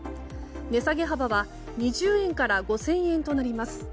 値下げ幅は２０円から５０００円となります。